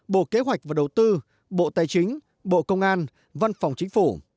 bộ kế hoạch và đầu tư bộ tài chính bộ công an văn phòng chính phủ